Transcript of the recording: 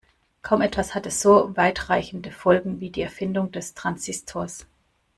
Kaum etwas hatte so weitreichende Folgen wie die Erfindung des Transistors.